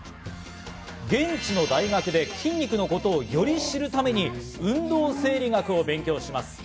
現地の大学で筋肉のことをより知るために運動生理学を勉強します。